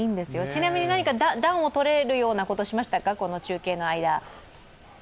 ちなみに暖をとれるようなことをしましたか、この中継の間。